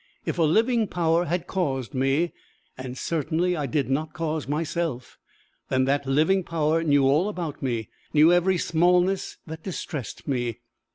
If a living power had caused me and certainly I did not cause myself then that living power knew all about me, knew every smallness that distressed me!